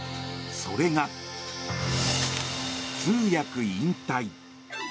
それが、通訳引退。